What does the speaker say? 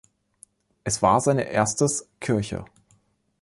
Es war seine erstes Kirche.